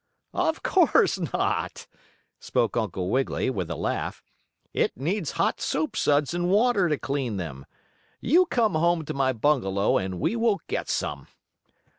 "Of course not," spoke Uncle Wiggily, with a laugh. "It needs hot soap suds and water to clean them. You come home to my bungalow and we will get some."